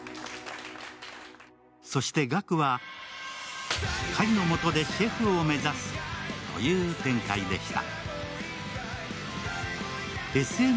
そして岳は海のもとでシェフを目指すという展開でした。